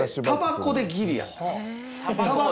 たばこでギリやった。